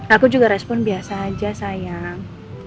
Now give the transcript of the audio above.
aku juga respon biasa aja sayang